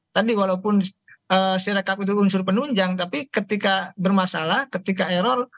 tadi walaupun si rekap itu unsur penunjang tapi ketika bermasalah ketika error